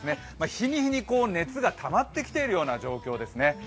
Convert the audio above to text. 日に日に熱がたまってきているような状況ですね。